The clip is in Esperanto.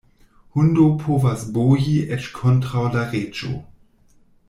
Hundo povas boji eĉ kontraŭ la reĝo.